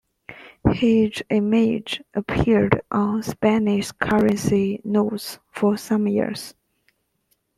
His image appeared on Spanish currency notes for some years.